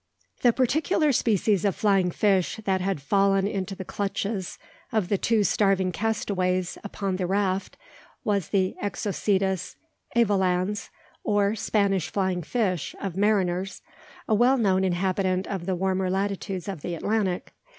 The particular species of flying fish that had fallen into the clutches of the two starving castaways upon the raft was the Exocetus evolans, or "Spanish flying fish" of mariners, a well known inhabitant of the warmer latitudes of the Atlantic.